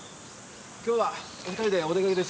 今日はお２人でお出かけですか？